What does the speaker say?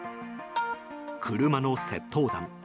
車の窃盗団。